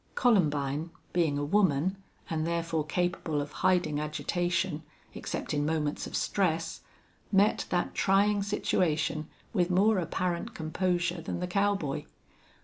Columbine, being a woman, and therefore capable of hiding agitation, except in moments of stress, met that trying situation with more apparent composure than the cowboy.